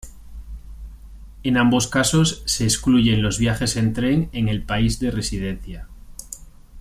En ambos casos, se excluyen los viajes en tren en el país de residencia.